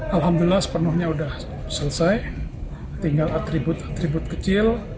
alhamdulillah sepenuhnya sudah selesai tinggal atribut atribut kecil